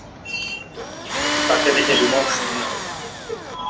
তাকে দেখে বিমর্ষ মনে হল।